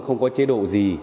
không có chế độ gì